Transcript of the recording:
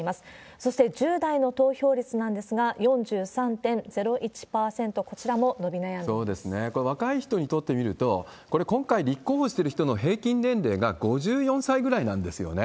そして１０代の投票率なんですが、４３．０１％、これ、若い人にとってみると、これ、今回立候補してる人の平均年齢が５４歳ぐらいなんですよね。